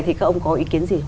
thì các ông có ý kiến gì